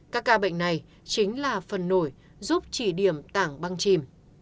các ca bệnh này chính là phần nổi giúp chỉ điểm tảng băng chìm